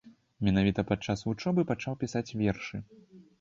Менавіта пад час вучобы пачаў пісаць вершы.